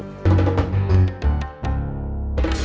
kalau ada apa apa